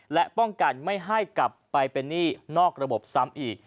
และป้องกันไม่ให้กลับไปเป็นหนี้นอกระบบซ้ำอีก